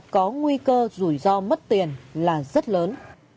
có nguy cơ rủi ro mất tiền là rất lớn